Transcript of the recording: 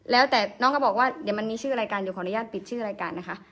แล้วแต่น้องก็บอกว่าเดี๋ยวมันมีชื่อรายการเดี๋ยวขออนุญาตปิดชื่อรายการนะคะ